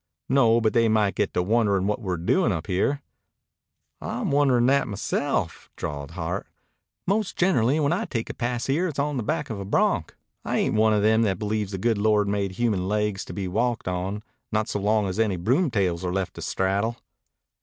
"No, but they might get to wondering what we're doing up here." "I'm wonderin' that myself," drawled Hart. "Most generally when I take a pasear it's on the back of a bronc. I ain't one of them that believes the good Lord made human laigs to be walked on, not so long as any broomtails are left to straddle."